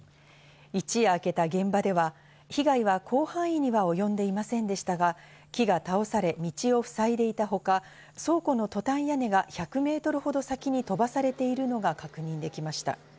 一夜明けた現場では被害は広範囲には及んでいませんでしたが、木が倒され、道をふさいでいたほか、倉庫のトタン屋根が１００メートルほど先に飛ばされているのが確認できました。